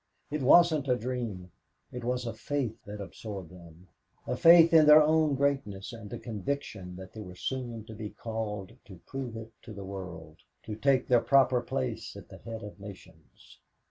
It wasn't a dream; it was a faith that absorbed them a faith in their own greatness and a conviction that they were soon to be called to prove it to the world, to take their proper place at the head of nations.